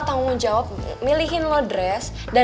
tanggung jawab milihin lo dress dan